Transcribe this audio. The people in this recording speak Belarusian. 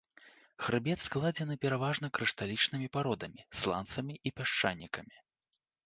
Хрыбет складзены пераважна крышталічнымі пародамі, сланцамі і пясчанікамі.